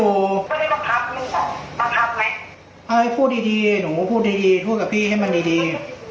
ไม่ได้ต้องพักมึงหรอกมาพักไหมเอ้ยพูดดีดีหนูพูดดีดีพูดกับพี่ให้มันดีดี